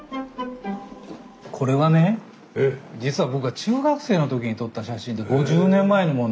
これはね実は僕が中学生の時に撮った写真で５０年前のものなんですけど。